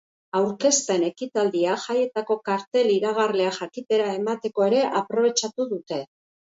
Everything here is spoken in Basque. Aurkezpen-ekitaldia jaietako kartel-iragarlea jakitera emateko ere aprobetxatu dute.